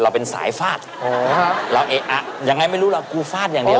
เราเป็นสายฝาดเราเอี๊ยะอย่างไรไม่รู้เรากูฝาดอย่างเดียว